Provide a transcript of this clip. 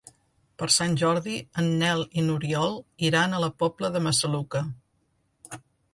Per Sant Jordi en Nel i n'Oriol iran a la Pobla de Massaluca.